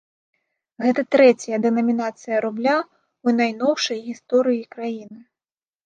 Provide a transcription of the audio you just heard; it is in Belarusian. Гэта трэцяя дэнамінацыя рубля ў найноўшай гісторыі краіны.